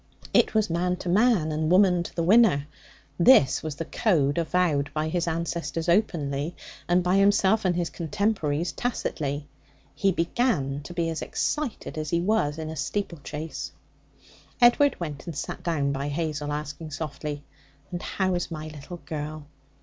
It was man to man, and the woman to the winner. This was the code avowed by his ancestors openly, and by himself and his contemporaries tacitly. He began to be as excited as he was in a steeplechase. Edward went and sat down by Hazel, asking softly: 'And how is my little girl?'